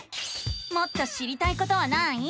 もっと知りたいことはない？